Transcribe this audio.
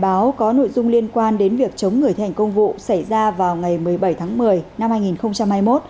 khi đọc một bài báo có nội dung liên quan đến việc chống người thi hành công vụ xảy ra vào ngày một mươi bảy tháng một mươi năm hai nghìn hai mươi một